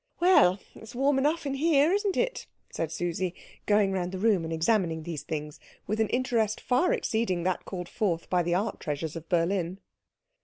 "Well, it's warm enough here, isn't it?" said Susie, going round the room and examining these things with an interest far exceeding that called forth by the art treasures of Berlin.